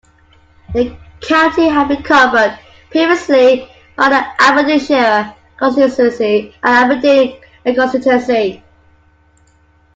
The county had been covered previously by the Aberdeenshire constituency and the Aberdeen constitutuency.